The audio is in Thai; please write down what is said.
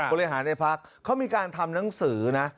บริหารในพักเขามีการทำหนังสือนะ